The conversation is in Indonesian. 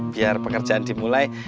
biar pekerjaan dimulai